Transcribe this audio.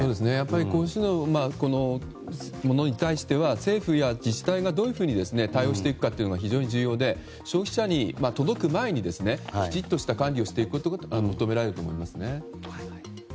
こういうものに対しては政府や自治体がどう対応していくかが非常に重要で消費者に届く前に、きちっとした管理をしていくことが求められると思いますね。